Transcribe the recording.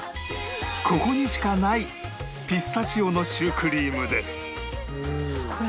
ここにしかないピスタチオのシュークリームです